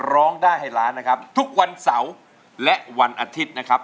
ตอนนี้ได้ไปแล้วสองเพลงนะครับ